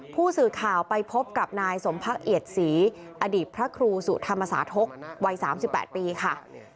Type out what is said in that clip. ผู้สื่อข่าวไปพบกับนายสมพักเอียดศรีอดีตพระครูสุธรรมสาธกวัย๓๘ปีค่ะ